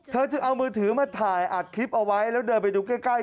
เธอจึงเอามือถือมาถ่ายอัดคลิปเอาไว้แล้วเดินไปดูใกล้